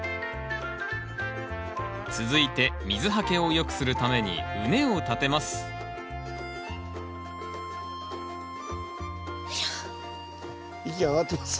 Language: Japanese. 続いて水はけをよくするために畝を立てますよいしょ。